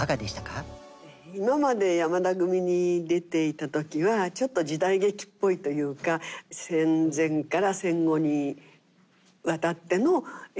今まで山田組に出ていた時はちょっと時代劇っぽいというか戦前から戦後にわたっての母の話だったんですね。